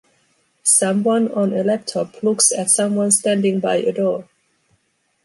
Someone on a laptop looks at someone standing by a door.